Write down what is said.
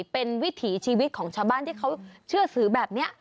เป็นวิถีชีวิตของชาวบ้านที่เขาเชื่อสื่อแบบนี้